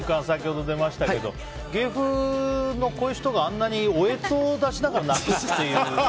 先ほど出ましたけど芸風のこういう人があんなに嗚咽を出しながら泣くっていう。